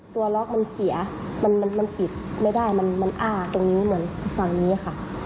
ล็อกมันเสียมันปิดไม่ได้มันอ้าตรงนี้เหมือนฝั่งนี้ค่ะ